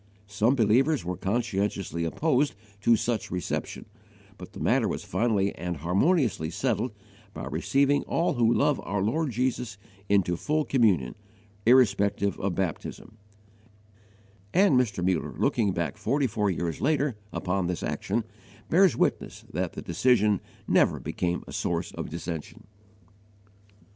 Some believers were conscientiously opposed to such reception, but the matter was finally and harmoniously settled by "receiving all who love our Lord Jesus into full communion, irrespective of baptism," and Mr. Muller, looking back forty four years later upon this action, bears witness that the decision never became a source of dissension.* * Appendix L.